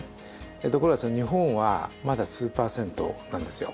ところが日本はまだ数％なんですよ。